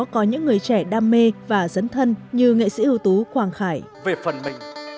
có những người trẻ đam mê và dấn thân như nghệ sĩ ưu tú quang khải